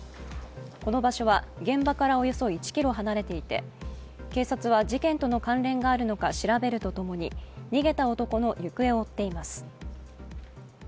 この場所は現場からおよそ１ｋｍ離れていて、警察は事件との関連があるのか調べるとともに逃げた男の行方を追っています。